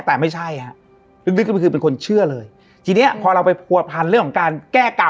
แต่ไม่ใช่ฮะลึกก็คือเป็นคนเชื่อเลยทีเนี้ยพอเราไปผัวพันเรื่องของการแก้กรรม